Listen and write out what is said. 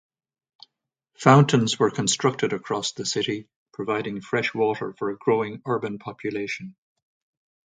Fountains were constructed across the city, providing fresh water for a growing urban population.